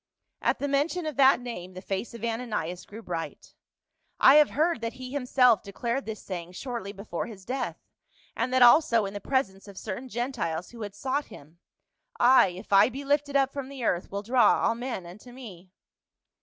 At the mention of that name the face of Ananias grew bright. " I have heard that he himself declared this saying shortly before his death, and that also in the presence of certain Gentiles who had sought him, * I, if I be lifted up from the earth, will draw all men unto me.'